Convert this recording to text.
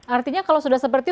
artinya kalau sudah seperti